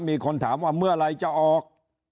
มีคนถามว่าเมื่อไหร่จะออก